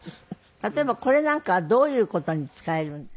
例えばこれなんかはどういう事に使えるんですか？